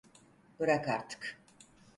Bırak artık!